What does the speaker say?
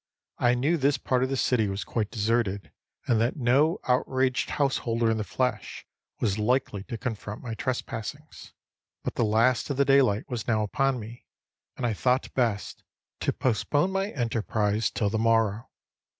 I knew this part of the city was quite deserted, and that no outraged householder in the flesh was likely to confront my trespassings. But the last of the daylight was now upon me, and I thought best to postpone my enterprise till the morrow.